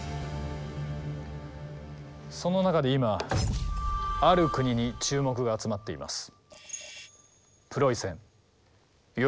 その中で今ある国に注目が集まっています。